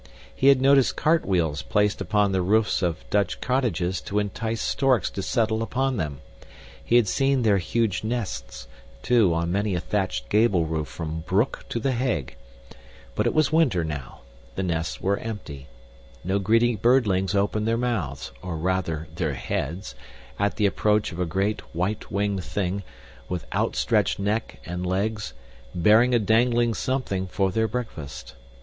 He had noticed cart wheels placed upon the roofs of Dutch cottages to entice storks to settle upon them; he had seen their huge nests, too, on many a thatched gable roof from Broek to The Hague. But it was winter now. The nests were empty. No greedy birdlings opened their mouths or rather their heads at the approach of a great white winged thing, with outstretched neck and legs, bearing a dangling something for their breakfast.